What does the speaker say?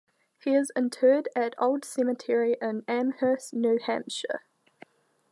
He is interred at Old Cemetery in Amherst, New Hampshire.